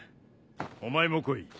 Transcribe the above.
お前も来い。